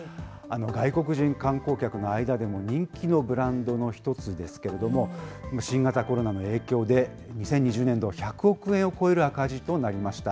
外国人観光客の間でも人気のブランドの一つですけれども、今、新型コロナの影響で、２０２０年度、１００億円を超える赤字となりました。